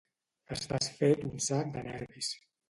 Estàs fet un sac de nervis